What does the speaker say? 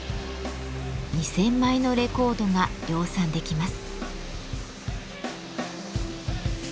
２，０００枚のレコードが量産できます。